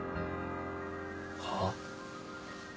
はっ？